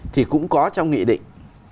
thì cũng có trong nghị định